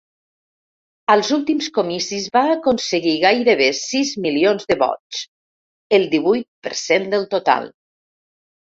Als últims comicis va aconseguir gairebé sis milions de vots, el divuit per cent del total.